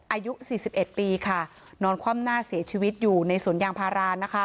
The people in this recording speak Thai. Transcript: อายุ๔๑ปีค่ะนอนคว่ำหน้าเสียชีวิตอยู่ในสวนยางพารานะคะ